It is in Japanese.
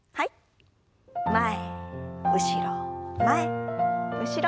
前後ろ前後ろ。